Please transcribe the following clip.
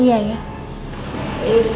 yuk tunggu nante ambil tas